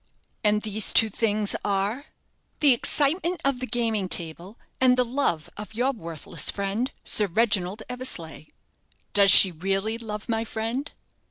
"And these two things are " "The excitement of the gaming table, and the love of your worthless friend, Sir Reginald Eversleigh." "Does she really love my friend?"